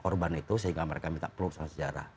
korban itu sehingga mereka minta pelurusan sejarah